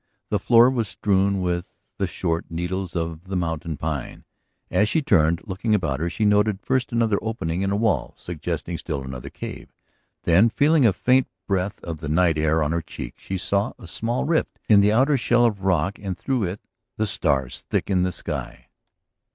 The floor was strewn with the short needles of the mountain pine. As she turned, looking about her, she noted first another opening in a wall suggesting still another cave; then, feeling a faint breath of the night air on her cheek she saw a small rift in the outer shell of rock and through it the stars thick in the sky.